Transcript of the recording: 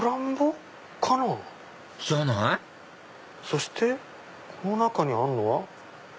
そしてこの中にあるのは。